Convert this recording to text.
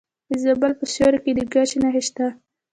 د زابل په سیوري کې د ګچ نښې شته.